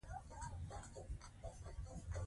آیا د لنډۍ توري پر زړونو ولګېدل؟